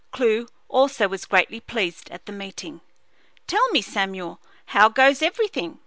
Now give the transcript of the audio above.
Clewe also was greatly pleased at the meeting. "Tell me, Samuel, how goes everything?"